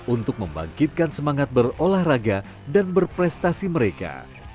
untuk membangkitkan semangat berolahraga dan berprestasi mereka